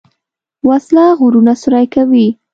وسله غرونه سوری کوي